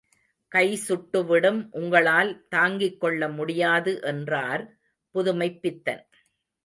கை சுட்டு விடும் உங்களால் தாங்கிக் கொள்ள முடியாது என்றார் புதுமைப்பித்தன்.